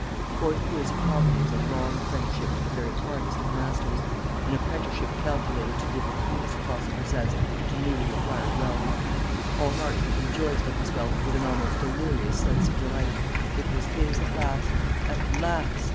Forty years of poverty is a long apprenticeship to the very hardest of masters, an apprenticeship calculated to give the keenest possible zest to newly acquired wealth. Paul Marchmont rejoiced in his wealth with an almost delirious sense of delight. It was his at last. At last!